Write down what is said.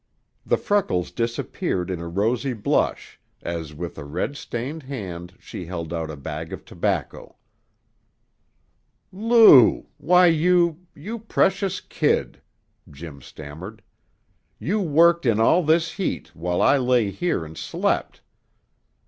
The freckles disappeared in a rosy blush as with a red stained hand she held out a bag of tobacco. "Lou! Why, you you precious kid!" Jim stammered. "You worked in all this heat, while I lay here and slept."